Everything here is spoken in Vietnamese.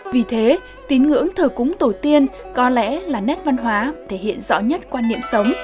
vì thế tín ngưỡng thờ cúng tổ tiên có lẽ là nét văn hóa thể hiện rõ nhất quan niệm sống